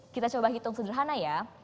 kita coba hitung sederhana ya